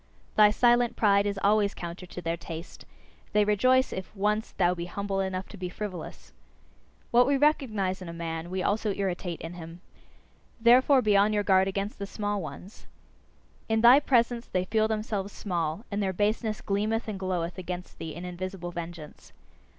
Thy silent pride is always counter to their taste; they rejoice if once thou be humble enough to be frivolous. What we recognise in a man, we also irritate in him. Therefore be on your guard against the small ones! In thy presence they feel themselves small, and their baseness gleameth and gloweth against thee in invisible vengeance.